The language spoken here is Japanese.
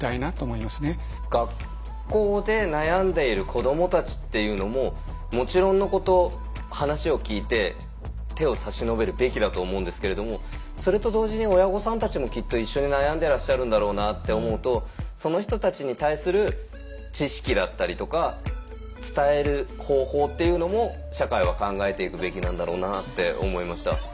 学校で悩んでいる子どもたちっていうのももちろんのこと話を聞いて手を差し伸べるべきだと思うんですけれどもそれと同時に親御さんたちもきっと一緒に悩んでらっしゃるんだろうなって思うとその人たちに対する知識だったりとか伝える方法っていうのも社会は考えていくべきなんだろうなって思いました。